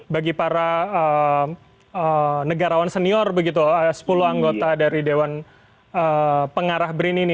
bagi para negarawan senior begitu sepuluh anggota dari dewan pengarah brin ini